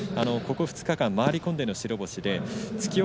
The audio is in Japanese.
ここ２日間回り込んでの白星です。